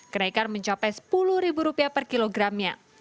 kenaikan mencapai rp sepuluh per kilogramnya